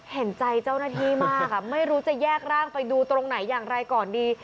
เห็นใจเจ้าหน้าที่มากไม่รู้จะแยกร่างไปดูตรงไหนอย่างไรก่อนดี